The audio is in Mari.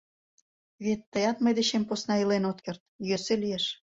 Вет тыят мый дечем посна илен от керт, йӧсӧ лиеш...